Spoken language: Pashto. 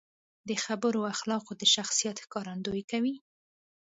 د خبرو اخلاق د شخصیت ښکارندويي کوي.